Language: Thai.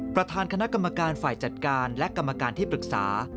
ประธานคณะกรรมการฝ่ายจัดการและกรรมการที่ปรึกษา